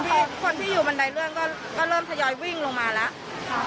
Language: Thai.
พอคนที่อยู่บันไดเลื่อนก็เริ่มทยอยวิ่งลงมาแล้ว